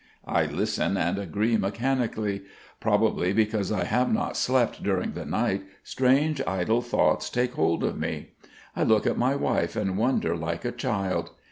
I listen and agree mechanically. Probably because I have not slept during the night strange idle thoughts take hold of me. I look at my wife and wonder like a child.